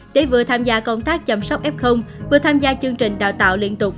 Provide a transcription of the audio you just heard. để vừa tham gia công tác chăm sóc f vừa tham gia chương trình đào tạo liên tục